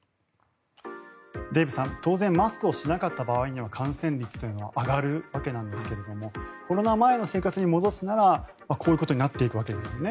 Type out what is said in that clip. デーブさん当然マスクをしなかった場合の感染率というのは上がるわけなんですけれどもコロナ前の生活に戻すならこういうことになっていくわけですよね。